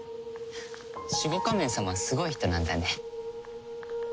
シュゴ仮面様はすごい人なんだね。